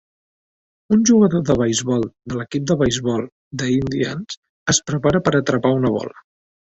Un jugador de beisbol de l'equip de beisbol The Indians es prepara per atrapar una bola